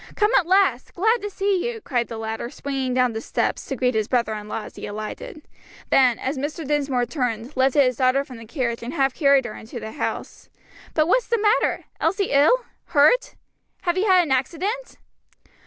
"Come at last! glad to see you!" cried the latter, springing down the steps to greet his brother in law as he alighted. Then, as Mr. Dinsmore turned, lifted his daughter from the carriage, and half carried her into the house, "But what's the matter? Elsie ill? hurt? have you had an accident?"